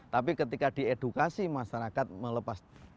tapi ketika diedukasi masyarakat melepas